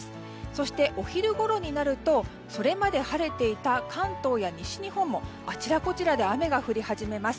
そして、お昼ごろになるとそれまで晴れていた関東や西日本も、あちらこちらで雨が降り始めます。